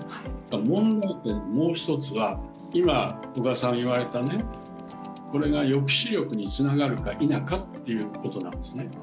問題点のもう１つは、今、小川さんが言われた、これが抑止力につながるか否かということなんですね。